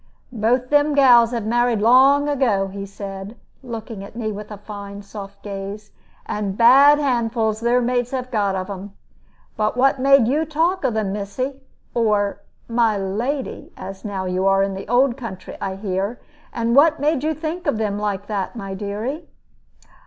"Both of them gals have married long ago," he said, looking at me with a fine soft gaze; "and bad handfuls their mates have got of them. But what made you talk of them, missy or 'my lady,' as now you are in old country, I hear what made you think of them like that, my dearie?"